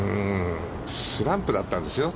スランプだったんですよ。